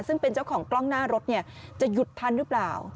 ซึ่งเป็นเจ้าของกล้องหน้ารถจะหยุดทันหรือเปล่า